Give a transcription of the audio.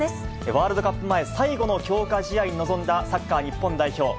ワールドカップ前、最後の強化試合に臨んだサッカー日本代表。